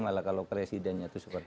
malah kalau presidennya itu seperti